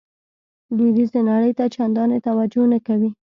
لویدیځې نړۍ ته چندانې توجه نه کوي.